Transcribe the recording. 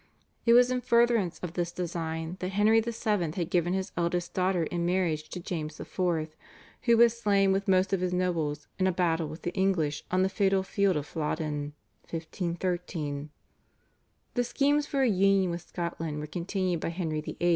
It was in furtherance of this design that Henry VII. had given his eldest daughter in marriage to James IV., who was slain with most of his nobles in a battle with the English on the fatal field of Flodden (1513). The schemes for a union with Scotland were continued by Henry VIII.